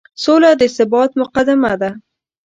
سوله د ثبات مقدمه ده.